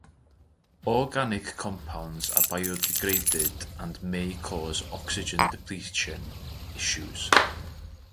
Organic compounds are biodegraded and may cause oxygen-depletion issues.